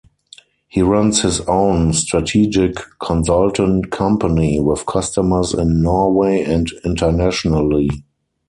He runs his own "Strategic Consultant - company" with customers in Norway and internationally.